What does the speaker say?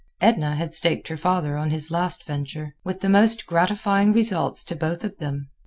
Edna had staked her father on his last venture, with the most gratifying results to both of them.